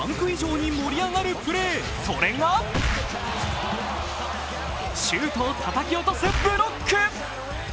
以上に盛り上がるプレー、それがシュートをたたき落とすブロック！